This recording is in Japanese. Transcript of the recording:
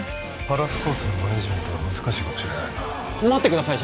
パラスポーツのマネージメントは難しいかもしれないな待ってください